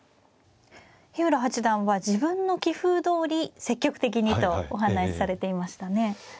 日浦八段は自分の棋風どおり積極的にとお話しされていましたね。